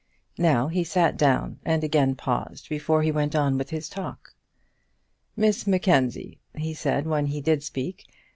Now he sat down and again paused before he went on with his talk. "Miss Mackenzie," he said, when he did speak.